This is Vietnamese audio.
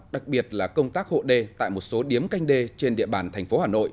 đặc biệt là công tác hộ đê tại một số điếm canh đê trên địa bàn tp hà nội